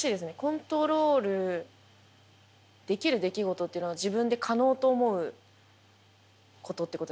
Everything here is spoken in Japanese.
コントロールできる出来事っていうのは自分で可能と思うことってことですか？